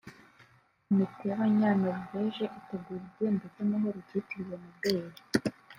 Komite y’Abanyanorvège itegura igihembo cy’amahoro cyitiriwe Nobel